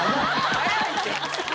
早いって！